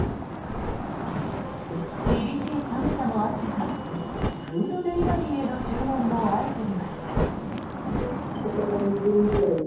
厳しい寒さもあってかフードデリバリーへの注文も相次ぎました。